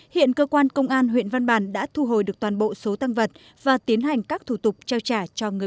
hiện cơ quan công an huyện văn bàn đã thu hồi được toàn bộ số tăng vật và tiến hành các thủ tục trao trả cho người dân